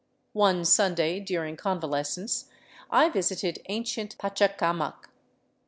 One Sunday during convalescence I visited ancient Pachacamac.